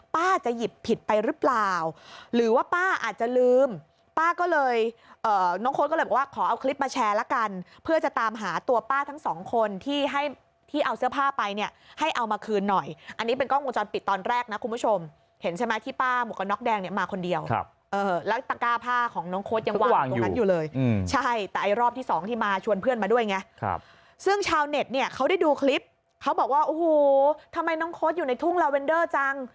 ป้าจะหยิบผิดไปรึเปล่าหรือว่าป้าอาจจะลืมป้าก็เลยเอ่อน้องโค้ดก็เลยบอกว่าขอเอาคลิปมาแชร์ละกันเพื่อจะตามหาตัวป้าทั้งสองคนที่ให้ที่เอาเสื้อผ้าไปเนี่ยให้เอามาคืนหน่อยอันนี้เป็นกล้องมุมจรปิดตอนแรกนะคุณผู้ชมเห็นใช่ไหมที่ป้าหมวกนอกแดงเนี่ยมาคนเดียวครับเออแล้วตระกาผ้าของน้องโค้ดยังวางตรงนั้